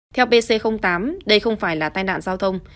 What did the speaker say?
theo pc tám đây không phải là tai nạn giao thông